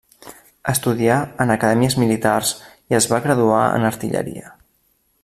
Estudià en acadèmies militars i es va graduar en artilleria.